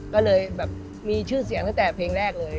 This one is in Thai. ก็เลยแบบมีชื่อเสียงตั้งแต่เพลงแรกเลย